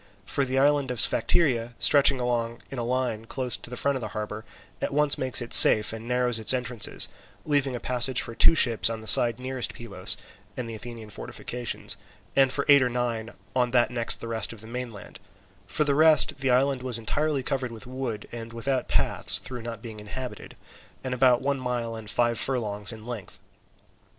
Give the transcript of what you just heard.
For the island of Sphacteria, stretching along in a line close in front of the harbour, at once makes it safe and narrows its entrances, leaving a passage for two ships on the side nearest Pylos and the Athenian fortifications, and for eight or nine on that next the rest of the mainland: for the rest, the island was entirely covered with wood, and without paths through not being inhabited, and about one mile and five furlongs in length.